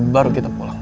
baru kita pulang